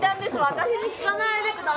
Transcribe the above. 私に聞かないで下さい。